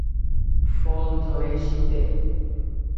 ফল ধরে শীতে।